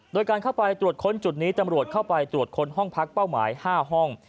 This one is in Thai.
โดยการเข้าไปตรวจค้นจุดนี้ตำรวจเข้าไปตรวจค้นห้องพักเป้าหมาย๕ห้อง